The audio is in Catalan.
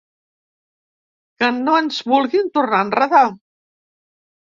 Que no ens vulguin tornar a enredar.